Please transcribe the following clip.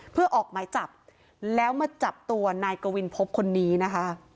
เพื่อออกหมายจับแล้วมาจับตัวนายกวินพบคนนี้นะคะ